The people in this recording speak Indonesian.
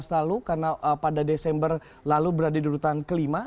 dua ribu enam belas lalu karena pada desember lalu berada di urutan kelima